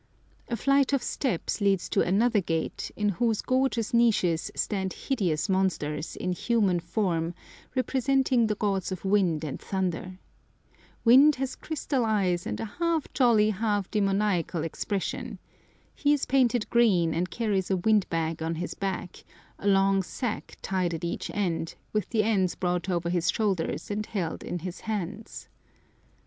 A flight of steps leads to another gate, in whose gorgeous niches stand hideous monsters, in human form, representing the gods of wind and thunder. Wind has crystal eyes and a half jolly, half demoniacal expression. He is painted green, and carries a wind bag on his back, a long sack tied at each end, with the ends brought over his shoulders and held in his hands.